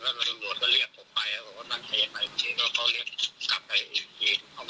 รับร่วมรวดก็เรียกผมไปพี่ก็เรียกกลับไปอีกครับ